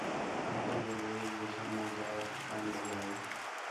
তারপর বলে, যেসব মজার কান্ড গাঁয়ে।